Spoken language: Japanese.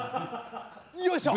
よいしょ。